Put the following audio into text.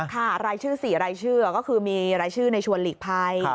รายชื่อ๔รายชื่อก็คือมีรายชื่อในชวนหลีกภัย